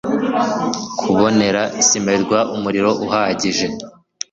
kubonera cimerwa umuriro uhagije